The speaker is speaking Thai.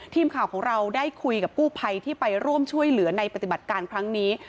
ทีมข่าวของเราได้คุยกับกู้ภัยที่ไปร่วมช่วยเหลือในปฏิบัติการครั้งนี้